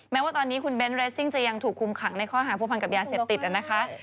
แม้ว่าตอนนี้คุณเบ้นเรสซิ่งจะยังถูกคุมขังในข้อหาผู้พันกับยาเสพติดนะคะ